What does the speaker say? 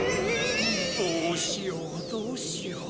・どうしようどうしよう。